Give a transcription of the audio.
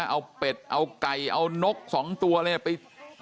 เอาเป็ดเอาไก่เอานกสองตัวอะไร